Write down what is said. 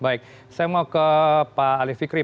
baik saya mau ke pak ali fikri